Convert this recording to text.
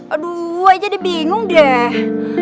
aduh jadi bingung deh